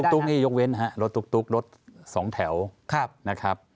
ตุ๊กนี่ยกเว้นฮะรถตุ๊กรถสองแถวนะครับ